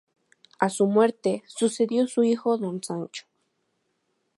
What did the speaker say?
A su muerte sucedió su hijo Don Sancho.